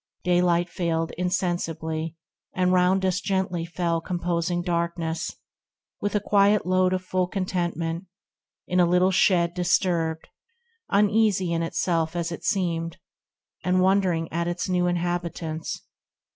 Daylight failed Insensibly, and round us gently fell Composing darkness, with a quiet load Of full contentment, in a little shed Disturbed, uneasy in itself as seemed, THE RECLUSE 13 And wondering at its new inhabitants.